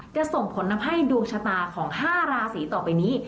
จะส่งผลทำให้ดวงชะตาของ๕ราศีต่อไปนี้